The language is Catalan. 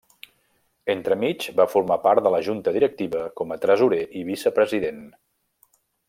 Entremig, va formar part de la junta directiva com a tresorer i vicepresident.